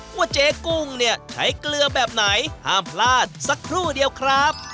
เจ๊กุ้งเนี่ยใช้เกลือแบบไหนห้ามพลาดสักครู่เดียวครับ